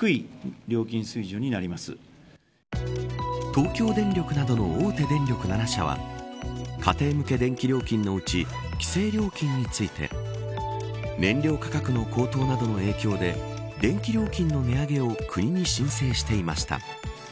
東京電力などの大手電力７社は家庭向け電気料金のうち規制料金について燃料価格の高騰などの影響で電気料金の値上げを国に申請していました。